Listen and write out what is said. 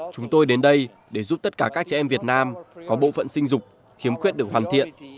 chúng tôi đến đây để giúp tất cả các trẻ em việt nam có bộ phận sinh dục khiếm khuyết được hoàn thiện